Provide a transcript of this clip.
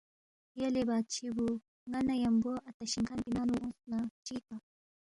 یلے بادشی بُو، ن٘ا نہ نیمبو اتا شِنگ کھن پی ننگ نُو اونگس نہ چِہ گِکپا؟